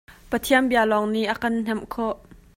Pathian bia lawng nih a kan hnemh khawh.